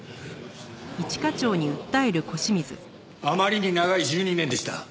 あまりに長い１２年でした。